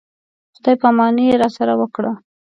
خدای په اماني یې راسره وکړه.